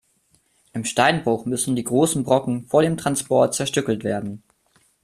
Im Steinbruch müssen die großen Brocken vor dem Transport zerstückelt werden.